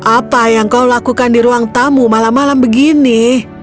apa yang kau lakukan di ruang tamu malam malam begini